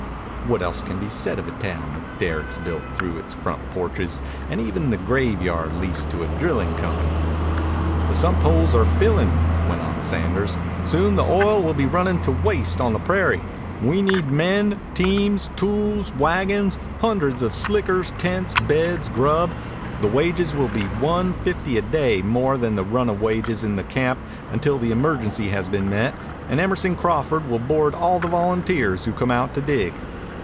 What else can be said of a town with derricks built through its front porches and even the graveyard leased to a drilling company? "The sump holes are filling," went on Sanders. "Soon the oil will the running to waste on the prairie. We need men, teams, tools, wagons, hundreds of slickers, tents, beds, grub. The wages will be one fifty a day more than the run of wages in the camp until the emergency has been met, and Emerson Crawford will board all the volunteers who come out to dig."